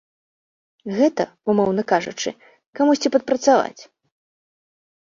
Гэта, умоўна кажучы, камусьці падпрацаваць.